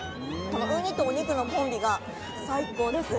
ウニとお肉のコンビが最高です。